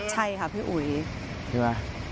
ใช่ค่ะพี่อุ๋ยใช่ไหม